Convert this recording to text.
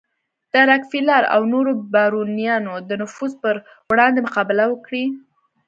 د راکفیلر او نورو بارونیانو د نفوذ پر وړاندې مقابله وکړي.